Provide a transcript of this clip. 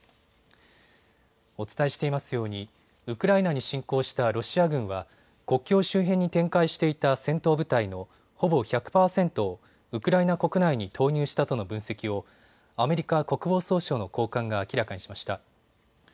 お伝えしていますようにウクライナに侵攻したロシア軍は国境周辺に展開していた戦闘部隊のほぼ１００％をウクライナ国内に投入したとの分析をアメリカ国防総省の高官が明らかにしました。